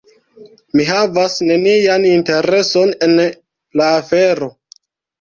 Mi havas nenian intereson en la afero.